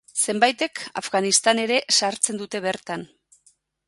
Zenbaitek Afganistan ere sartzen dute bertan.